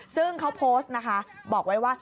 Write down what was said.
ซึ่งเขาโพสต์นะคะบอกไว้ว่า